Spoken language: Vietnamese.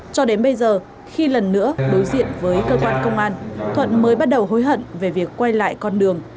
cho đến bây giờ khi lần nữa đối diện với cơ quan công an thuận mới bắt đầu hối hận về việc quay lại con đường